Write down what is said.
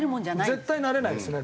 絶対なれないですね。